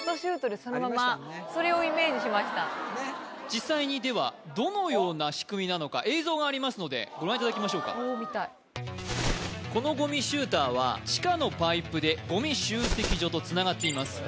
それをイメージしました実際にではありますのでご覧いただきましょうかこのゴミシューターは地下のパイプでゴミ集積所とつながっています